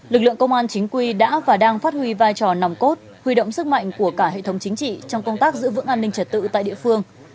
lực lượng công an chính quy đã và đang phát huy vai trò nòng cốt huy động sức mạnh của cả hệ thống chính trị trong công tác giữ vững an ninh trật tự tại địa phương